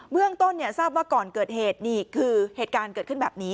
เรื่องต้นทราบว่าก่อนเกิดเหตุนี่คือเหตุการณ์เกิดขึ้นแบบนี้